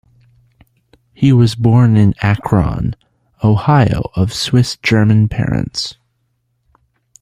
He was born in Akron, Ohio of Swiss-German parents.